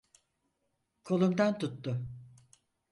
Kolumdan tuttu.